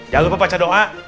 jangan lupa baca doa